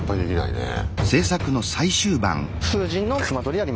ねえ。